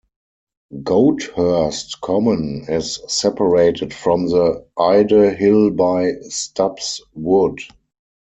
Goathurst Common is separated from Ide Hill by Stubbs Wood.